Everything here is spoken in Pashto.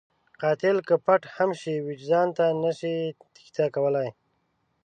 قاتل که پټ هم شي، وجدان ته نشي تېښته کولی